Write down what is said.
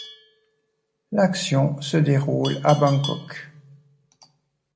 L'action se déroule à Bangkok.